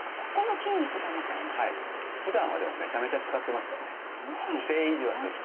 ふだんはでもめちゃめちゃ使ってますからね。